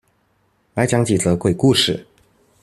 來講幾則鬼故事